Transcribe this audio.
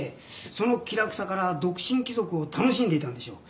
その気楽さから独身貴族を楽しんでいたんでしょう。